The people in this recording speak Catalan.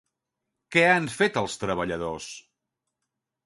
Què han fet els treballadors?